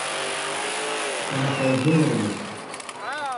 estamos todos muy nerviosos.